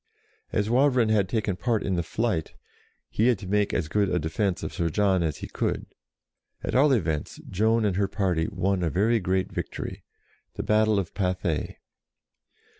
As Wavrin had taken part in the flight, he had to make as good a defence of Sir John as he could. At all events, Joan and her party won a very great victory, the battle of Pathay.